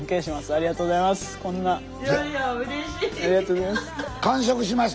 ありがとうございます。